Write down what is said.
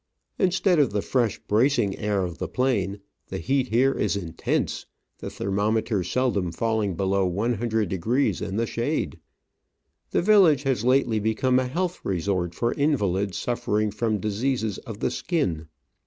Instead of the fresh, bracing air of the plain, the heat here is intense, the thermometer seldom falling below loo'' in the shade. The village has lately become a health resort for invalids suffering from diseases of the skin.